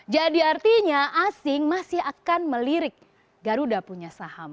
jadi artinya asing masih akan melirik garuda punya saham